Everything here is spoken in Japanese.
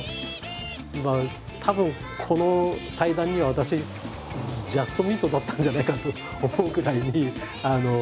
たぶんこの対談には私ジャストミートだったんじゃないかと思うぐらいに。